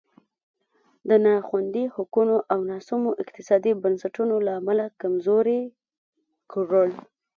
د نا خوندي حقونو او ناسمو اقتصادي بنسټونو له امله کمزوری کړل.